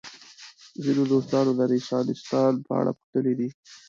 ځینو دوستانو د رنسانستان په اړه پوښتلي دي.